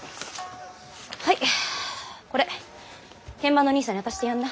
はいこれ見番のにいさんに渡してやんな。